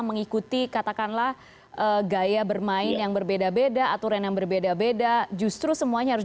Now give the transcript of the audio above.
mengikuti katakanlah gaya bermain yang berbeda beda aturan yang berbeda beda justru semuanya harus